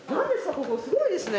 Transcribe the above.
ここすごいですね！